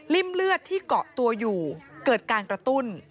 เลือดที่เกาะตัวอยู่เกิดการกระตุ้น